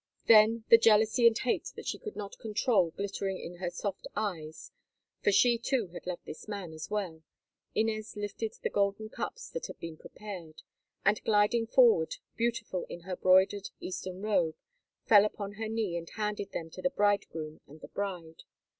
Then, the jealousy and hate that she could not control glittering in her soft eyes, for she too had loved this man, and well, Inez lifted the golden cups that had been prepared, and, gliding forward, beautiful in her broidered, Eastern robe, fell upon her knee and held them to the bridegroom and the bride.